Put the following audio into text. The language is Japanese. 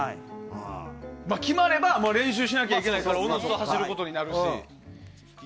決まれば練習しなきゃいけないからおのずと走ることになるだろうし。